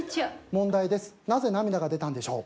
問題ですなぜ涙が出たんでしょう？